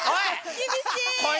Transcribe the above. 厳しい！